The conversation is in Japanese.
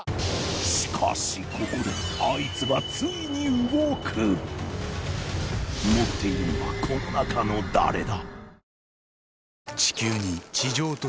しかしここであいつがついに動く持っているのはこの中の誰だ？